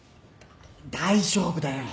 大丈夫だよ。